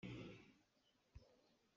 Sung Hlei pa cu a kum a upa nain a no ngai.